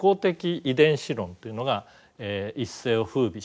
遺伝子論というのが一世を風靡しました。